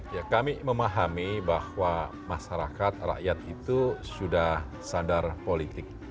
ya kami memahami bahwa masyarakat rakyat itu sudah sadar politik